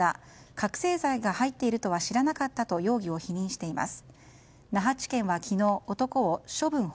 覚醒剤が入っているとは知らなかったと容疑を否認しています。